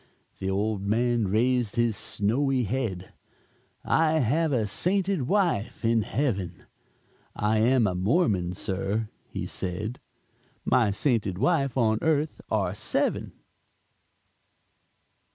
The old man raised his snowy head, "I have a sainted wife in Heaven; I am a Mormon, sir," he said, "My sainted wife on earth are seven."